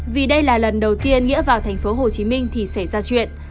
vì đây là lần đầu tiên nghĩa vào tp hcm thì xảy ra chuyện